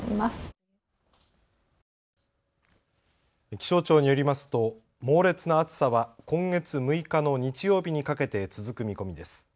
気象庁によりますと猛烈な暑さは今月６日の日曜日にかけて続く見込みです。